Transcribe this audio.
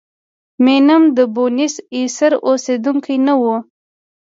مینم د بونیس ایرس اوسېدونکی نه و.